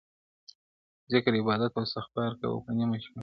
o ذکر عبادت او استغفار کوه په نیمه شپه,